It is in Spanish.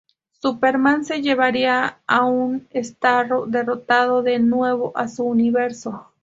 Superman se llevaría a un Starro derrotado de nuevo a su universo.